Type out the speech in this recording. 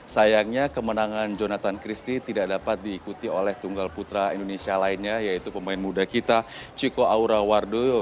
sayangnya kemenangan jonathan christie tidak dapat diikuti oleh tunggal putra indonesia lainnya yaitu pemain muda kita chico aura wardoyo